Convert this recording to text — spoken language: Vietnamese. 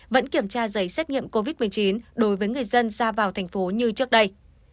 vẫn kiểm tra giấy xét nghiệm covid một mươi chín đối với người dân ra vào thành phố như trước đây